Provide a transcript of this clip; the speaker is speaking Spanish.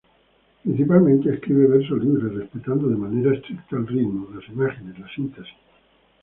Principalmente escribe verso libre, respetando de manera estricta el ritmo, las imágenes, la síntesis.